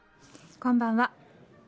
こんばんは。